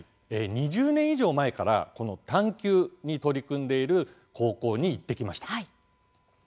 ２０年以上前からこの「探究」に取り組んでいる高校に行ってきました。